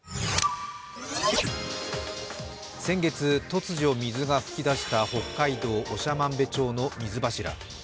先月、突如水が噴き出した北海道長万部町の水柱。